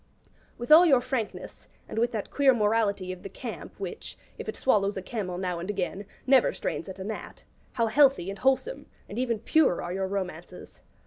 With all your frankness, and with that queer morality of the Camp which, if it swallows a camel now and again, never strains at a gnat, how healthy and wholesome, and even pure, are your romances!